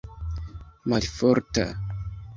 malforta